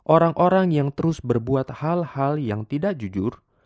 orang orang yang terus berbuat hal hal yang tidak jujur